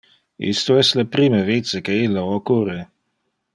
Isto es le prime vice que illo occurre.